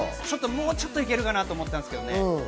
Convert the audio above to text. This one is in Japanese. もうちょっといけるかなと思ったんですけどね。